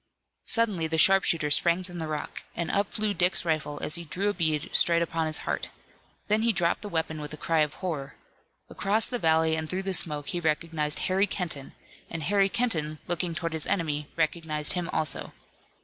Suddenly the sharpshooter sprang from the rock, and up flew Dick's rifle as he drew a bead straight upon his heart. Then he dropped the weapon with a cry of horror. Across the valley and through the smoke he recognized Harry Kenton, and Harry Kenton looking toward his enemy recognized him also.